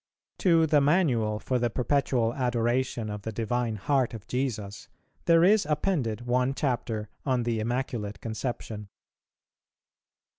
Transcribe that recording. To the Manual for the Perpetual Adoration of the Divine Heart of Jesus there is appended one chapter on the Immaculate Conception.